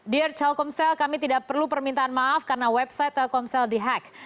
dear telkomsel kami tidak perlu permintaan maaf karena website telkomsel di hack